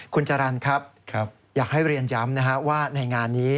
คุณจรรย์ครับอยากให้เรียนย้ำนะฮะว่าในงานนี้